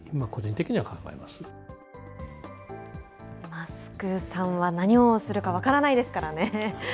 マスクさんは何をするか分からないですからね。